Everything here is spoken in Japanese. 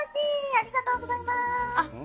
ありがとうございます！